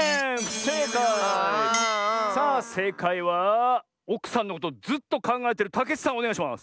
さあせいかいはおくさんのことずっとかんがえてるたけちさんおねがいします！